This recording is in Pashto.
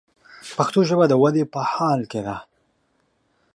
پښتو ژبه د ودې په حال کښې ده.